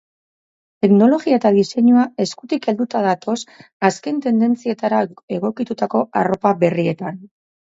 Teknologia eta diseinua eskutik helduta datoz azken tendentzietara egokitutako arropa berrietan.